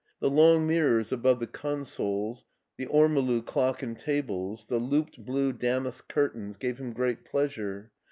The long mirrors above the consoles, the ormolu clock and tables, the looped blue damask curtains, gave him great pleasure.